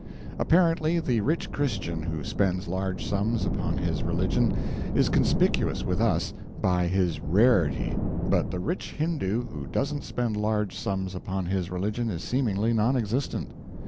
Apparently, the rich Christian who spends large sums upon his religion is conspicuous with us, by his rarity, but the rich Hindoo who doesn't spend large sums upon his religion is seemingly non existent.